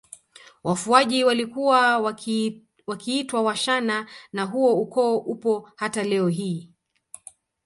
Wafuaji walikuwa wakiitwa Washana na huo ukoo upo hata leo hii